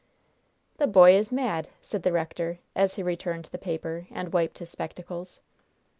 "The boy is mad!" said the rector, as he returned the paper and wiped his spectacles.